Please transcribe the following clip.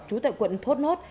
chú tại quận thốt nốt